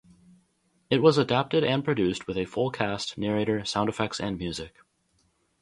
It was adapted and produced with a full cast, narrator, sound effects and music.